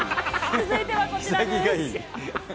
続いてはこちらです。